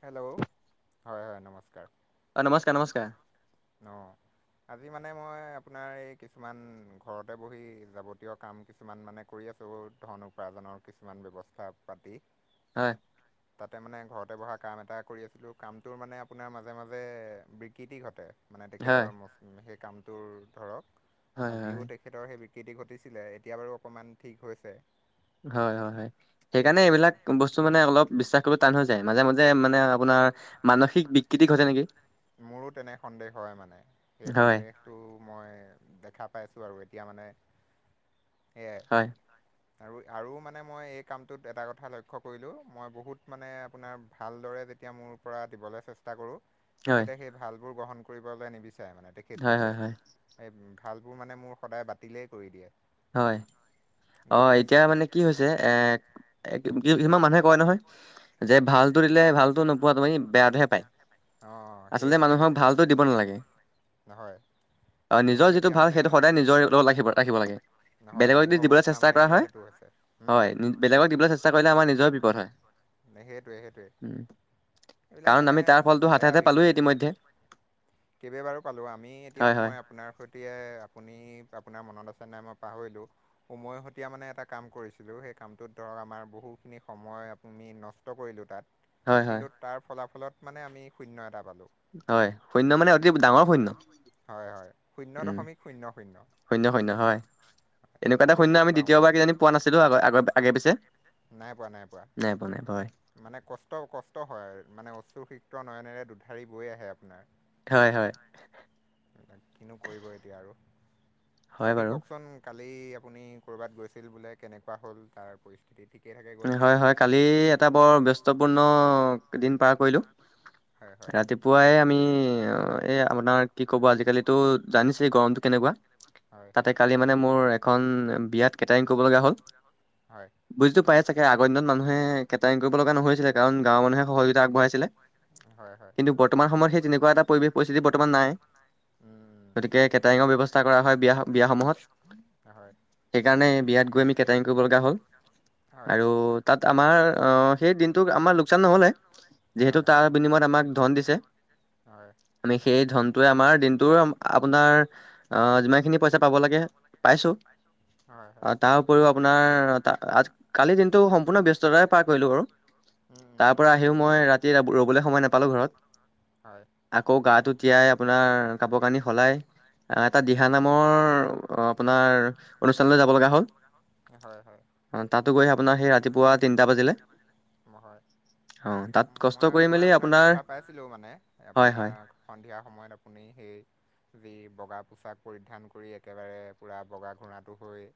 Hello হয় হয় নমস্কাৰ। হয়‌ নমস্কাৰ নমস্কাৰ। আজি মানে মই আপোনাৰ এই কিছুমান ঘৰতে বহি যাৱতীয় কাম কিছুমান মানে কৰি আছোঁ। ধন উপাৰ্জনৰ কিছুমান ব্যৱস্থা পাতি। হয়। তাতে মানে ঘৰতে বহা কাম এটা কৰি আছিলো কামটোৰ মানে আপোনাৰ মাজে মাজে বিকৃতি ঘটে। মানে তেখেতৰ সেই কামটোৰ ধৰক আজিও তেখেতৰ সেই সকৃতি ঘটিছিলে এতিয়া বাৰু অকণমান ঠিক হৈছে। হয় হয় হয় সেইকাৰণে এইবিলাক বস্তু মানে অলপ বিশ্বাস কৰিব টান হৈ যায়। মাজে মাজে মানে আপোনাৰ মানসিক বিকৃতি ঘটে নেকি। মোৰো তেনে সন্দেহ হয় মানে সেই সন্দেহটো মই দেখা পাইছোঁ আৰু এতিয়া মানে সেয়াই আৰু আৰু মানে মই এই কামটোত এটা কথা লক্ষ্য কৰিলো মই বহুত মানে আপোনাৰ ভালদৰে। যেতিয়া মোৰ পৰা দিবলৈ চেষ্টা কৰোঁ। তেখেতে সেই ভাল বোৰ গ্ৰহন কৰিবলৈ নিবিচাৰে মানে তেখেতলোকে এই। ভালবোৰ মানে মোৰ সদায় বাতিলেই কৰি দিয়ে। হয় অ এতিয়া মানে কি হৈছে এ কি। কিছুমান মানুহে কয় নহয় যে ভালতো দিলে ভালো নোপোৱা তুমি বেয়াটোহে। আচলতে মানুহক ভালতো দিব নালাগে। অ নিজৰ যিটো ভাল সেইটো সদায় নিজৰ লগত ৰাখিব ৰাখিব লাগে। বেলেগক যদি দিবলৈ চেষ্টা কৰা হয় বেলেগক দিবলৈ চেষ্টা কৰিলে আমাৰ নিজৰ বিপদ হয়। নহ সেইটোৱে সেইটোৱে এইবিলাক মানে। টো হাতে হাতে পালোৱেই ইতিমধ্যে। বাৰু পালোঁ আমি এতিয়া মই আপোনাৰ সৈতে আপুনি। মনত আছে নাই মই পাহৰিলো উমৈহতীয়া মানে এটা কাম কৰিছিলো সেই কামটোত ধৰক আমাৰ বহুখিনি। সময় আমি নষ্ট কৰিলো তাত কিন্তু তাৰ ফলাফলত মানে আমি শুন্যয় এটা পাম। হয় শূন্য মানে। ডাঙৰ সৈন্য উম সৈনয় সৈনয় হয়। এনেকুৱা এটা শুন্য আমি দ্বিতীয়বাৰ কি জানি পোৱা নাছিলো আগ আগ আগে পিছে। নাই পোৱা নাই পোৱা। মানে কষ্ট কষ্ট হয় মানে অচ্ৰ শিক্ৰ নয়নেৰে দুধাৰি বৈ আহে আপোনাৰ। হয় হয়। কিনো কৰিব এতিয়া আৰু বাকী কওঁকচোন ক। কালি আপুনি ক'ৰবাত গৈছিল বোলে কেনেকুৱা হ'ল তাৰ পৰিস্থিতিত। হয় হয় কালি এটা বৰ ব্যস্তপূৰ্ণ দিন পাৰ কৰিলোঁ। ৰাতিপুৱাই আমি এ। আপোনাৰ কি ক'ব আজিকালিতো জানিছেই গৰমতটো কেনেকুৱা তাতে কালি মানে। মোৰ এখন বিয়াত কেটাৰিং কৰিব লগা হ'ল, বুজিতো পাইছায়েই। চাগে আগৰ দিনত মানুহে কেটাৰিং কৰিব লগা নহৈছিলে কাৰণ গৱ মানুহে সহজোগ। আগবঢ়াইছিলে কিন্তু বৰ্তমান সময়ত সেই তেনেকুৱা এটা পৰিৱেশ পৰিস্থিতি বৰ্তমান নাই। গতিকে কেটাৰিঙৰ ব্যৱস্থা কৰা হয় বিয়া বিয়াস সমূহত সেইকাৰণে। বিয়াত গৈ আমি কেটাৰিং কৰিব লগা হ'ল। আৰু তাত আমাৰ আহ সেই দিনটো আমাৰ লোকচান নহলে। যিহেতু তাৰ বিনিময়ত আমাক ধন দিছে আমি সেই ধন। আপোনাৰ যিমাখিনি পইচা পাব লাগে পাইছো। অঁ তাৰ উপৰিও আপোনাৰ। কালিৰ দিনটো সম্পূৰ্ণ ব্যস্ততাৰে পাৰ কৰিলো বাৰু। তাৰ পৰা আহিও মই ৰাতি ৰবলৈ সময় নাপালো ঘৰত। আকৌ গাটো তিয়াই আপোনাৰ কাপোৰ কানি সলাই। আহ এটা দিহা নামৰ আপোনাৰ অনুষ্ঠানলৈ যাব লগা হ'ল। হয় হয়। তাতো গৈ আপোনাৰ সেই ৰাতিপুৱা তিনিটা বাজিলে। নহয়। মই মই আপোনাক দেখা পাইছিলো মানে আপোনাৰ সন্ধিয়া সময়ত আপোনাৰ। আমি সেই যি বগা পোচাক পৰিধান কৰি একেবাৰে পূৰা বগা ঘোঁৰাটো হৈ।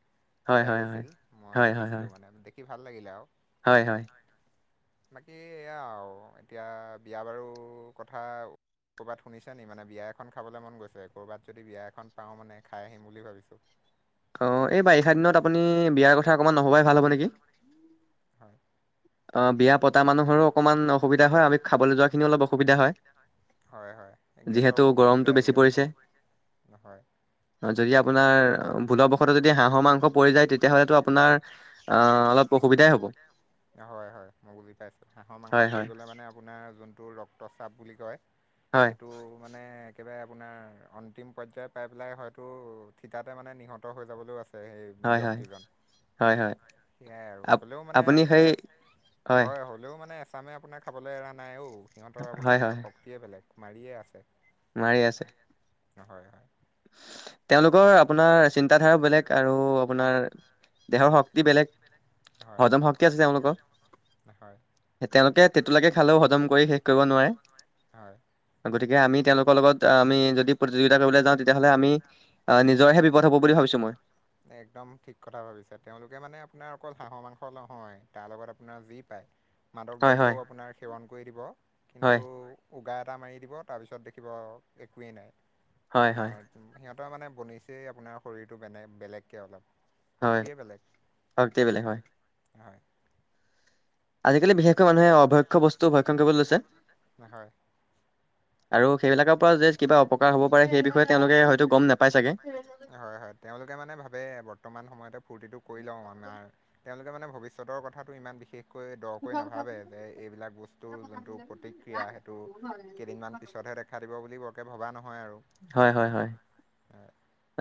ওলাই গৈছিল মই দেখিছিলো মানে দেখি ভাল লাগিলে আৰু। বাকী এয়া আৰু এতিয়া বিয়া বাৰু কথা। ক'ৰবাত শুনিছে নেকি মানে। বিয়া এখন খাবলৈ মন গৈছে কৰ'বাত যদি বিয়া এখন পাওঁ মানে খাই আহিম বুলি ভাবিছো। অঁ এই বাৰিষা দিনত আপুনি বিয়াৰ কথা অকণমান নহ'বাই ভাল হ'ব নেকি। হয়। অ বিয়া পতা মানুহৰো অকণমান অসুবিধা হয় আমি খাবলৈ যোৱা খিনিও অলপ অসুবিধা হয়। যিহেতু গৰমটো বেছি পৰিছে। যদি আপোনাৰ ভুলবশতঃ যদি হাঁহৰ মাংস পৰি যায় তেতিয়াহ'লেতো আপোনাৰ আহ অলপ অসুবিধাই হ'ব হয় হয় মই বুজি পাইছোঁ হাঁহৰ মাংস পৰি গ'লে মানে আপোনাৰ যোনটো ৰক্তচাপ বুলি কয় এইটো মানে একেবাৰে আপোনাৰ অন্তিম পৰ্যায়ত পাই পেলাই হয়তো থিতাতে মানে নিহত হৈ যাবলৈও আছে। সেই ব্যক্তিজন সেইয়াই আৰু হলেও মানে আপোনাৰ হয় হ'লওঁ মানে এছামে আপোনাৰ খাবলৈ এৰা নাই অ সিহঁতৰ আপোনাৰ শক্তিয়ে বেলেগ মাৰিয়ে আছে মাৰি আছে হয় হয়। তেওঁলোকৰ আপোনাৰ চিন্তা ধাৰা বেলেগ আৰু আপোনাৰ দেহৰ শক্তি বেলেগ হজম শক্তি আছে তেওঁলোকৰ তেওঁলোকে তেতোলেকে খালেও হজম কৰি শেষ কৰিব নোৱাৰে। গতিকে আমি তেওঁলোকৰ লগত আমি যদি প্ৰতিযোগিতা কৰিবলৈ যাওঁ তে তেতিয়াহ'লে আমি নিজৰেহে বিপদ হ'ব বুলি ভাবিছো মই। একদম ঠিক কথা ভাবিছো তেওঁলোকে মানে আপোনাৰ অকল হাঁহৰ মাংস নহয়, তাৰ লগত আপোনাৰ যি পায় মাদক দ্ৰব আপোনাৰ সেৱন কৰি দিব। কিন্তু, উ এটা মাৰি দিব তাৰপিছত দেখিব একোৱেই নাই আপোনাৰ সি মানে বনিছেই আপোনাৰ শৰীৰটো বেলেগ বেলেগকৈ অলপ। হয় ভইচতো বুজি পোৱা নাই হয়। আজিকালি বিশেষকৈ মানুহে অভক্ষ বস্তু ভক্ষণ কৰিবলৈ লৈছে। হয়। আৰু সেইবিলাকৰ পৰা যে কিবা অপকাৰ হ'ব পাৰে সেই বিষয়ে তেওঁলোকে হয়তো গম নাপায়। হয়, হয়। তেওঁলোকে মানে ভাবে বৰ্তমান সময়তে ফূৰ্তিটো কৰি লও আমাৰ। তেওঁলোকে মানে ভৱিষ্যতৰ কথাটো ইমান বিশেষ কৈ দৰকৈ নাভাবে যে এইবিলাক বস্তুৰ যোনটো প্ৰতিক্ৰিয়া সেইটো কেইদিনমান পিছত দেখা দিব বুলি বৰকে ভবা নহয় আৰু। হয়, হয়, হয়।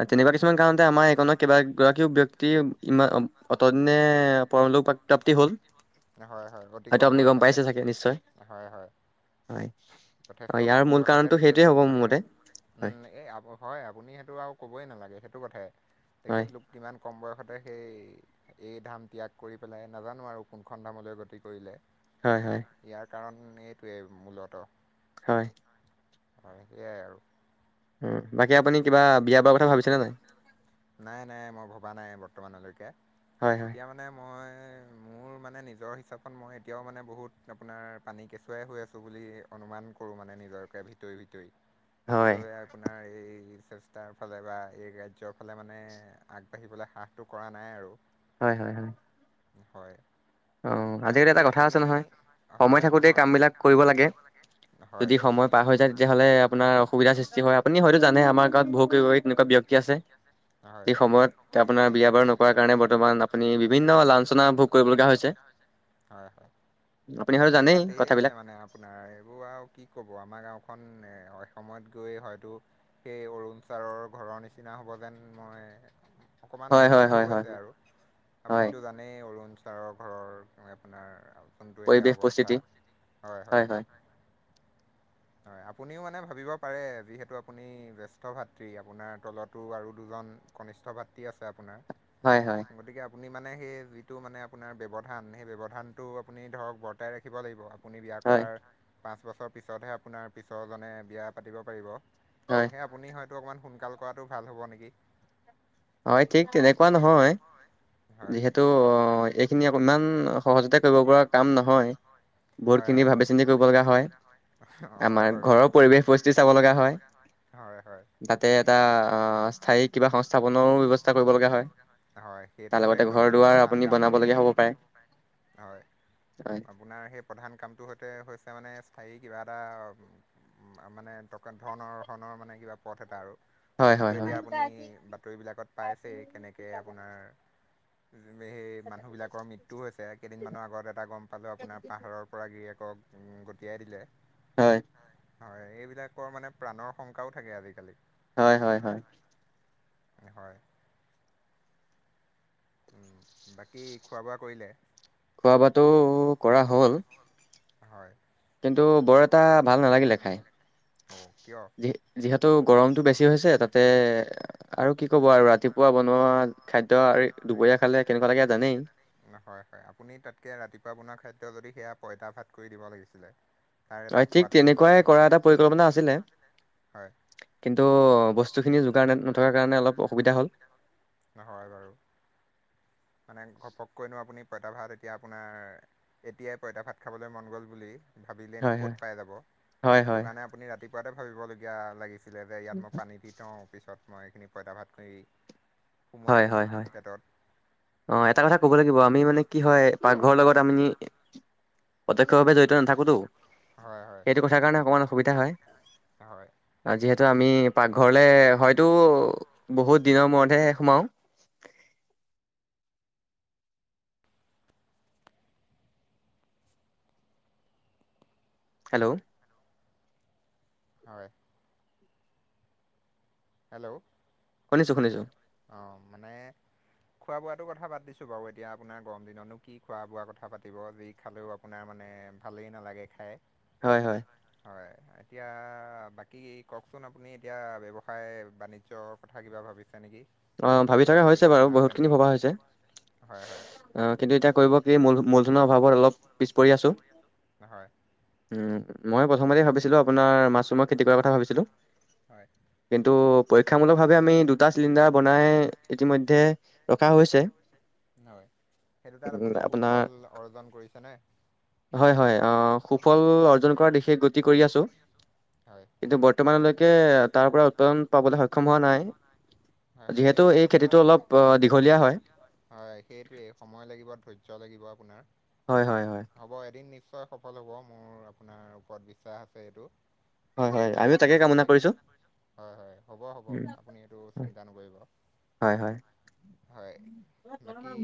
তেনেকুৱা কিছুমান কাৰণতে আমাৰ এইকত কেইবা গৰাকীও ব্যক্তি ইমান অতদিনে পৰলোক প্ৰাপ্তি হ'ল। হয়, হয়। অতি কম বয়সতে, হয়, হয়। হয়। অ, ইয়াৰ মূল কাৰণটো সেইটোৱে হ'ব, মোৰ মতে। উম, এই হয় আপুনি সেইটো আৰু কবই নালাগে সেইটো কথাই তেখেতলোক কিমান কম বয়সতে সেই এই ধাম ত্যাগ কৰি পেলাই নাজানো আৰু কোনখন ধামলৈ গতি কৰিলে। হয়, হয়। কাৰণ এইটোৱে মূলত- হয়। এয়াই আৰু। বাকী আপুনি কিবা বিয়া বাৰ কথা ভাবিছেনে নাই? নাই, নাই মই ভবা নাই বৰ্তমানলৈকে এতিয়া মানে মই নাই ভইচতো মোৰ মানে নিজৰ হিচাপত মই এতিয়াও মানে বহুত আপোনাৰ পানী কেঁচুৱাই হৈ আছোঁ বুলি অনুমান কৰোঁ মানে। মানে নিজকে ভিতৰি, ভিতৰি সেইবাবে আপোনাৰ এই এই চেষ্টাৰ ফালে বা এই ৰাজ্যৰ ফালে মানে আগবাঢ়িবলৈ হ্ৰাসটো কৰা নাই আৰু। হয়, হয়, হয় হয়। অ, আজিকালি এটা কথা আছে নহয়, সময় থাকোতে কাম বিলাক কৰিব লাগে। যদি সময় পাৰ হৈ যায় তেতিয়াহ'লে আপোনাৰ অসুবিধাৰ সৃষ্টি হয় আপুনি হয়তো, জানে আমাৰ গাঁৱত বহুত তেনেকুৱা ব্যক্তি আছে। সেই সময়ত আপোনাৰ বিয়া বাৰু নকৰা কাৰণে বৰ্তমান আপুনি বিভিন্ন লাালঞ্চনা ভোগ কৰিব লগা হৈছে। হয়, হয়। তেনেকুৱা আছে মানে আপোনাৰ এইবোৰ আৰু কি ক'ব আমাৰ গাওখন সময়ত গৈ হয়তো- সেই অৰুণ ছাৰৰ ঘৰৰ নিচিনা হ'ব যেন মই- অকমান অনুভৱটো হৈছে আৰু আপুনিতো জানেই অৰুণ ছাৰৰ ছাৰৰ ঘৰৰ আপোনাৰ- কোনটো এতিয়া অৱস্থা হয়, হয় আপুনিও মানে ভাবিব পাৰে যিহেতু আপুনি জেষ্ঠ ভাতৃ আপোনাৰ তলতো আৰু দুজন- কনিষ্ঠ ভাতৃ আছে আপোনাৰ হয়, হয়। আপুনি মানে সেই যিটো মানে আপোনাৰ ব্যৱধান সেই ব্যৱধানটো আপুনি ধৰক বৰ্তাই ৰাখিব লাগিব। আপুনি বিয়া কৰাৰ পাঁচ বছৰ পিছতহে আপোনাৰ পিছৰজনে বিয়া পাতিব পাৰিব সেয়েহে আপুনি হয়তো অকমান সোনকাল কৰাটো ভাল হব নেকি হয় ঠিক তেনেকুৱা নহয় যিহেতু অ খিনি অকণমান সহজতে কৰিব পৰা কাম নহয় বহুতখিনি ভাৱি চিন্তি কৰিব লগা হয় আমাৰ ঘৰৰ পৰিৱেশ পৰিস্থিতি চাব লগা হয় তাতে এটা স্থায়ী কিবা সংস্থাপনৰো ব্যৱস্থা কৰিব লগা হয় হয় সেইটোতো একদম প্ৰধান কাম আৰু হয় আপোনাৰ সেই প্ৰধান কামটো সৈতে হৈছে মানে কিবা এটা মানে টকা ধৰণৰৰণৰ মানে কিবা পথ এটা আৰু নহলেতো এতিয়া আপুনি বাতৰিবিলাকত পাইছেই কেনেকে আপোনাৰ সেই মানুহ বিলাকৰ মৃত্যুও হৈছে কেইদিনমানানৰ আগত এটা গম পালো আপোনাৰ পাহাৰৰ পৰা গিৰি ক গটিয়াই দিলে হয় হয় এইবিলাকৰ মানে প্ৰাণৰ শংকাও থাকে আজিকালি হয় উম বাকী খোৱা বোৱা কৰিলে খোৱা বোৱাতো কৰা হ'ল হয় কিন্তু বৰ এটা ভাল নালাগিলে খাই অ কিয় যি যিহেতু গৰমতটো বেছি হৈছে তাতে আৰু কি ক'ব আৰু ৰাতিপুৱা বনোৱা খাদ্য আৰু দুপৰীয়া খালে কেনেকুৱা লাগে জানেই হয় হয় আপুনি তাতকে ৰাতিপুৱা বনোৱা খাদ্য যদি সেয়া পইতা ভাত কৰি দিব লাগিছিলে হয় ঠিক তেনেকুৱাই কৰা এটা পৰিকল্পনা আছিলে কিন্তু বস্তু বস্তুখিনি যোগাৰ ন নথকাৰ কাৰণে অলপ অসুবিধা হ'ল নহয় বাৰু [inaudible] মানে ঘপককৈনো আপুনি পঁইতা ভাত এতিয়া আপোনাৰ এতিয়াই পঁইতা ভাত খাবলৈ মন গ'ল বুলি ভাবিলেনো ক'ত পাই যাব সেইটো কাৰণে আপুনি ৰাতিপুৱাতে ভাবিবলগীয়া লাগি ছিলে যে ইয়াত মই পানী দি থওঁ পিছত মই এইখিনি পইতা ভাত কৰি সোমোৱাই দিম পেটত অ এটা কথা কব লাগিব আমি মানে কি হয় পাকঘৰৰ লগত আমি প্ৰত্যক্ষভাৱে জড়িত নাথাকোতো সেইটো কথা কাৰণে অকমান অসুবিধা হয় যিহেতু আমি পাকঘৰলে হয়তো বহুত দিনৰ মূৰতহে সোমাও হেল্ল' হয় হেল্ল' শুনিছো শুনিছো আহ মানে খোৱা বোৱাটো কথা বাত দিছোঁ বাৰু এতিয়া আপোনাৰ গৰম দিনতো কি খোৱা বোৱা কথা পাতিব যি খালেও আপোনাৰ মানে মানে ভালেই নালাগে খাই হয় হয় এতিয়া বাকী কওকচোন আপুনি এতিয়া ব্যৱসায় বাণিজ্যৰ কথা কিবা ভাবিছে নেকি অ ভাবি থকা হৈছে বাৰু বহুত খিনি ভবা হৈছে আহ কিন্তু এতিয়া কৰিব কি মূল মূলধনৰ অভাৱত অলপ পিছ পৰি আছো হয় মই প্ৰথমতে ভাবিছিলোঁ আপোনাৰ মাচৰুমৰ খেতি কৰাৰ কথা ভাবিছিলোঁ কিন্তু পৰীক্ষামূলক ভাৱে আমি দুটা চিলিণ্ডাৰ বনাই ইতিমধ্যে ৰখা হৈছে। হয়। সেইটো তাত আপুনি সুফল অৰ্জন কৰিছেনে? হয় হয়, অ সুফল অৰ্জন কৰাৰ দিশে গতি কৰি আছো। কিন্তু বৰ্তমানলৈকে তাৰ পৰা উৎপাদন পাবলৈ সক্ষম হোৱা নাই। হয় সেইবিলাক আপোনাৰ হয় হয় সেইটোয়ে সময় লাগিব ধাৰ্য লাগিব। আপোনাৰ হ'ব এদিন নি- নিশ্চয় সফল হ'ব। মোৰ আপোনাৰ ওপৰত বিশ্বাস আছে এইটো। হয় হয় আমি হয় হয় হ'ব হ'ব আপুনি এইটো চিন্তা নকৰিব। হয়, বাকী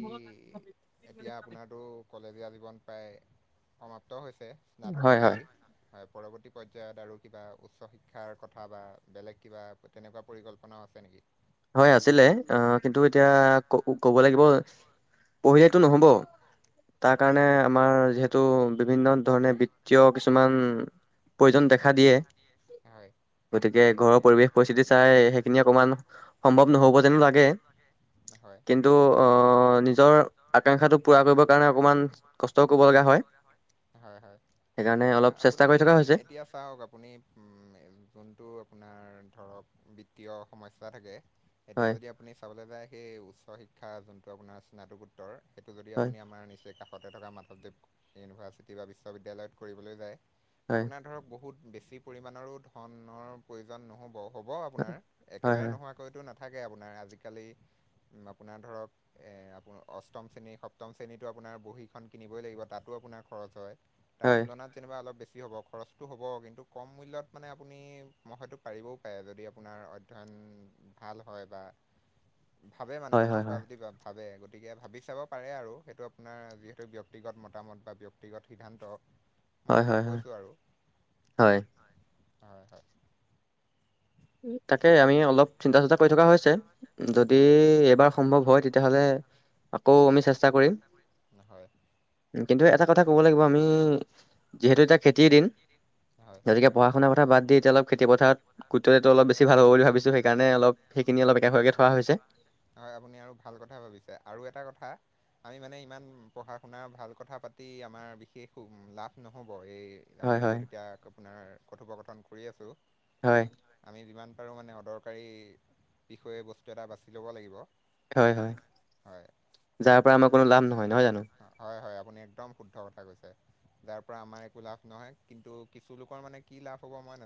এতিয়া আপোনাৰটো কলেজীয়া জীৱন প্ৰায় সমাপ্ত হৈছে স্নাতক ডিগ্ৰী হয়। পৰৱৰ্তী পৰ্যায়ত আৰু কিবা উচ্চ শিক্ষা শিক্ষাৰ কথা বা বেলেগ কিবা তেনেকুৱা পৰিকল্পনাও আছে নেকি? হয় আছিলে। আহ কিন্তু এতিয়া ক ক'ব লাগিব পঢ়িলেইটো নহ'ব, তাৰ কাৰণে আমাৰ যিহেতু বিভিন্ন ধৰণে বিত্তীয় কিছুমান প্ৰয়োজন দেখা দিয়ে। গতিকে ঘৰৰ পৰিৱেশ পৰিস্থিতি চাই সেইখিনি অকমান সম্ভৱ নহ'ব যেনো লাগে। কিন্তু অ নিজৰ আকাংক্ষাটো পুৰা কৰিবৰ কাৰণে অকমান কষ্টও কৰিব লগা হয়। হয় হয়। আপুনি এতিয়া চাওক আপুনি উ যোনটো আপোনাৰ ধৰক বিত্তীয় সমস্যা থাকে, এতিয়া যদি আপুনি চাবলৈ যায় সেই উচ্চ শিক্ষা শিক্ষাৰ যোনটো আপোনাৰ স্নাতকোত্তৰ সেইটো যদি আপুনি আমাৰ নিচেই কাষতে থকা মাধৱদেৱ ইউনিভাৰ্চিটি বা বিশ্ববিদ্যালয়ত কৰিবলৈ যায়, আপোনাৰ ধৰক বহুত। বেছি পৰিমমানৰো ধনৰ প্ৰয়োজন নহব, হ'ব আপোনাৰ একেবাৰে নোহোৱাকৈতো না- থাকে আপোনাৰ, আজিকালি আপোনাৰ ধৰক এ আপ অষ্টম শ্ৰেণী সপ্তম শ্ৰেণীতো আপোনাৰ বহী খন কিনিবই লাগিব, তাতো আপোনাৰ। খৰচ হয়, তাৰ তুলনাত যেনিবা অলপ বেছি হ'ব খৰচটো হ'ব। কিন্তু কম মূল্যত মানে আপুনি হয়তো পাৰিবও পাৰে যদি আপোনাৰ অধয়ন। উম ভাল হয় বা। [unintelligible] ভাবে মানে মনৰ পৰা যদি ভাবে গতিকে ভাবি চাব পাৰে আৰু সেইটো আপোনাৰ যিহেতু ব্যয়ক্তিগত মতামত বা ব্যক্তিগত সিদ্ধান্ত। হয় হয় হয়। হয় হয়। তাকে আমি অলপ চিন্তা চৰ্চা কৰি থকা হৈছে। যদি এইবাৰ সম্ভৱ হয়, তেতিয়াহ'লে আকৌ আমি চেষ্টা কৰিম। হয়। কিন্তু এটা কথা ক'ব লাগিব আমি যিহেতু এতিয়া খেতিৰ দিন, গতিকে পঢ়া শুনাৰ ক বাদ দি এতিয়া অলপ খেতি পথাৰত ত অলপ বছ ভাল হ'ব বুলি ভাবিছো। সেইকাৰণে সেইখিনি অলপ একেভাগে থোৱা হৈছে। হয় আপুনি আৰু ভাল কথা ভাবিছে আৰু এটা কথা আমি মানে ইমান পঢ়া শুনাৰ ভাল কথা পাতি আমাৰ বিশেষ লাভ নহব আৰু। এই আমি য'ত এতিয়া আপোনাৰ কথোপকথন কৰি আছো, আমি যিমান ত আৰু মানে অদৰকাৰী বিষয়ে বস্তু এটা বাছি ল'ব লাগিব। হয় হয়। যাৰ পৰা আমাৰ কোনো লাভ নহয় নহয় জানো? আপুনি একদম শুদ্ধ কথা কৈছে। যাৰ পৰা আমাৰ একো লাভ নহয়। কিন্তু কিছু লোকৰ মানে কি লাভ হ'ব মই নো-